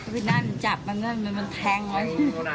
พี่นั่นจับมันมันแทงไว้